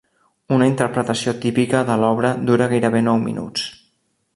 Una interpretació típica de l'obra dura gairebé nou minuts.